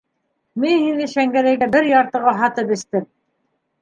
Мин һине Шәңгәрәйгә бер яртыға һатып эстем!